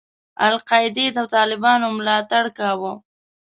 القاعدې د طالبانو ملاتړ کاوه.